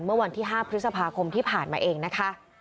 เมื่อวันที่๕พฤษภาคมที่ผ่านมาเองนะคะ